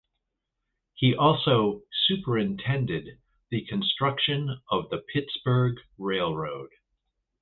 He also superintended the construction of the Pittsburg Railroad.